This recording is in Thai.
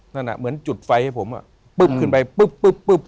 นั่นอ่ะเหมือนจุดไฟให้ผมอ่ะปึ๊บขึ้นไปปึ๊บปึ๊บปึ๊บ